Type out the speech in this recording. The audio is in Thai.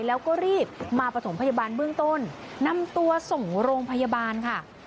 แล้วก็รีบมาประถมพยาบาลเบื้องต้นนำตัวส่งโรงพยาบาลค่ะ